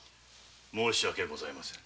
申し訳ございません。